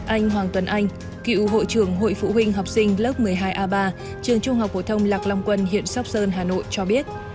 anh hoàng tuấn anh cựu hội trưởng hội phụ huynh học sinh lớp một mươi hai a ba trường trung học phổ thông lạc long quân huyện sóc sơn hà nội cho biết